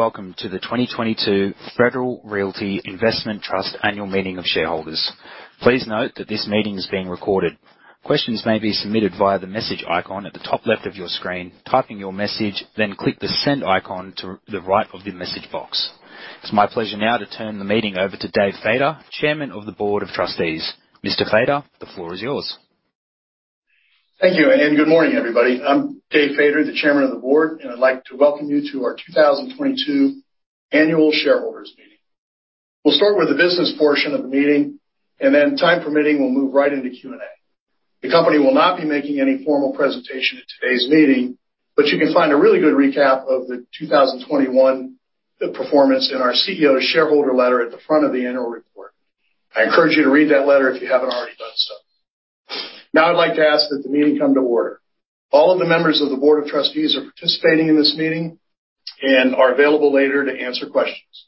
Hello, and welcome to the 2022 Federal Realty Investment Trust Annual Meeting of Shareholders. Please note that this meeting is being recorded. Questions may be submitted via the message icon at the top left of your screen, type in your message, then click the Send icon to the right of the message box. It's my pleasure now to turn the meeting over to Dave Faeder, Chairman of the Board of Trustees. Mr. Faeder, the floor is yours. Thank you, and good morning, everybody. I'm Dave Faeder, the Chairman of the Board, and I'd like to welcome you to our 2022 annual shareholders meeting. We'll start with the business portion of the meeting, and then time permitting, we'll move right into Q&A. The company will not be making any formal presentation at today's meeting, but you can find a really good recap of the 2021 performance in our CEO shareholder letter at the front of the annual report. I encourage you to read that letter if you haven't already done so. Now I'd like to ask that the meeting come to order. All of the members of the board of trustees are participating in this meeting and are available later to answer questions.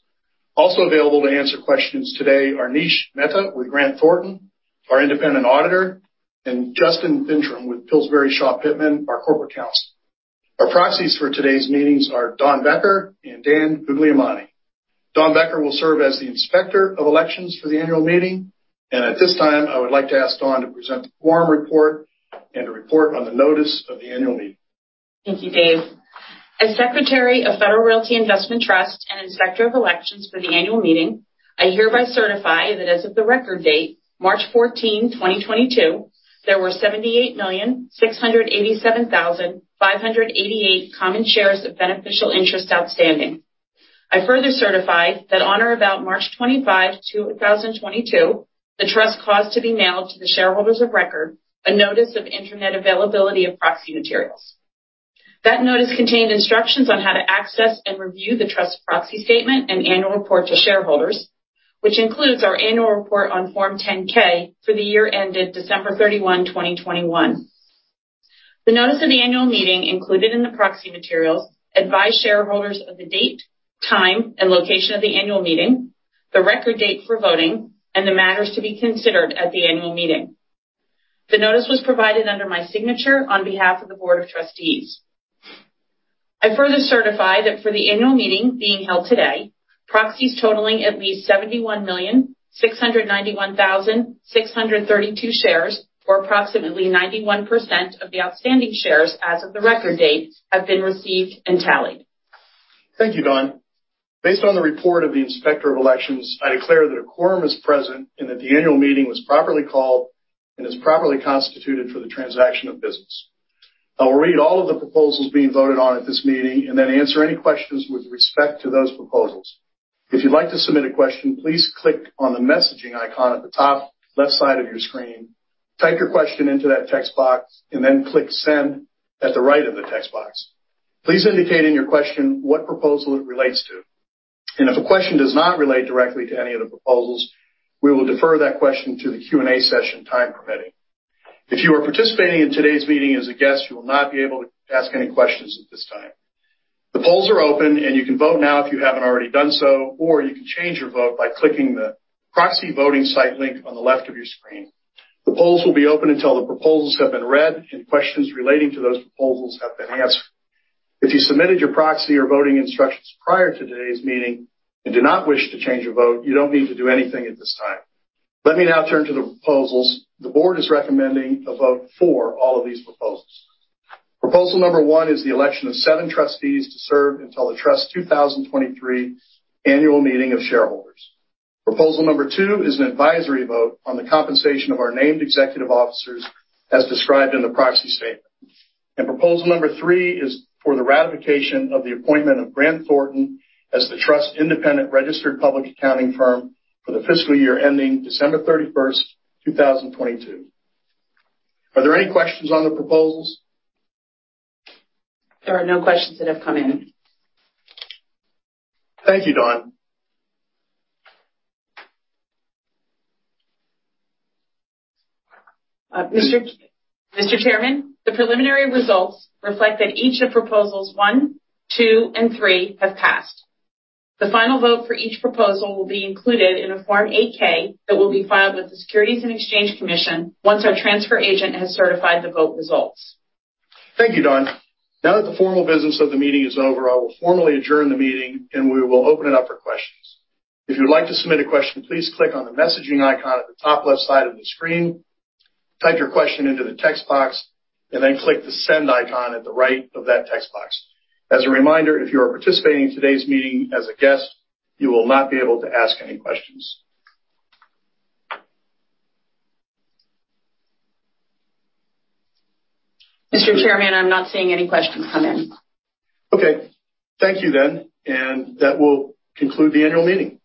Also available to answer questions today are Nishit Mehta with Grant Thornton, our independent auditor, and Justin Bintrim with Pillsbury Winthrop Shaw Pittman, our corporate counsel. Our proxies for today's meetings are Dawn Becker and Dan Guglielmone. Dawn Becker will serve as the Inspector of Elections for the annual meeting. At this time, I would like to ask Dawn to present the quorum report and a report on the notice of the annual meeting. Thank you, Dave. As Secretary of Federal Realty Investment Trust and Inspector of Elections for the annual meeting, I hereby certify that as of the record date, March 14, 2022, there were 78,687,588 common shares of beneficial interest outstanding. I further certify that on or about March 25, 2022, the trust caused to be mailed to the shareholders of record a notice of Internet availability of proxy materials. That notice contained instructions on how to access and review the trust proxy statement and annual report to shareholders, which includes our annual report on Form 10-K for the year ended December 31, 2021. The notice of the annual meeting included in the proxy materials advise shareholders of the date, time, and location of the annual meeting, the record date for voting, and the matters to be considered at the annual meeting. The notice was provided under my signature on behalf of the board of trustees. I further certify that for the annual meeting being held today, proxies totaling at least 71,691,632 shares, or approximately 91% of the outstanding shares as of the record date, have been received and tallied. Thank you, Dawn. Based on the report of the Inspector of Elections, I declare that a quorum is present and that the annual meeting was properly called and is properly constituted for the transaction of business. I will read all of the proposals being voted on at this meeting and then answer any questions with respect to those proposals. If you'd like to submit a question, please click on the messaging icon at the top left side of your screen, type your question into that text box, and then click Send at the right of the text box. Please indicate in your question what proposal it relates to. If a question does not relate directly to any of the proposals, we will defer that question to the Q&A session, time permitting. If you are participating in today's meeting as a guest, you will not be able to ask any questions at this time. The polls are open and you can vote now if you haven't already done so, or you can change your vote by clicking the proxy voting site link on the left of your screen. The polls will be open until the proposals have been read and questions relating to those proposals have been answered. If you submitted your proxy or voting instructions prior to today's meeting and do not wish to change your vote, you don't need to do anything at this time. Let me now turn to the proposals. The board is recommending a vote for all of these proposals. Proposal number one is the election of seven trustees to serve until the Trust 2023 annual meeting of shareholders. Proposal number two is an advisory vote on the compensation of our named executive officers as described in the proxy statement. Proposal number three is for the ratification of the appointment of Grant Thornton as the Trust's independent registered public accounting firm for the fiscal year ending December 31st, 2022. Are there any questions on the proposals? There are no questions that have come in. Thank you, Dawn. Mr. Chairman, the preliminary results reflect that each of proposals one, two, and three have passed. The final vote for each proposal will be included in a Form 8-K that will be filed with the Securities and Exchange Commission once our transfer agent has certified the vote results. Thank you, Dawn. Now that the formal business of the meeting is over, I will formally adjourn the meeting, and we will open it up for questions. If you would like to submit a question, please click on the messaging icon at the top left side of the screen, type your question into the text box, and then click the Send icon at the right of that text box. As a reminder, if you are participating in today's meeting as a guest, you will not be able to ask any questions. Mr. Chairman, I'm not seeing any questions come in. Okay. Thank you then, and that will conclude the annual meeting.